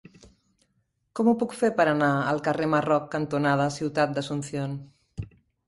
Com ho puc fer per anar al carrer Marroc cantonada Ciutat d'Asunción?